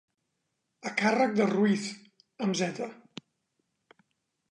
A càrrec de Ruiz, amb zeta.